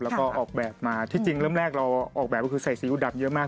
และไปออกแบบมาที่จริงเริ่มแรกเราออกแบบคือใส่ซีริย์วดำเยอะมาก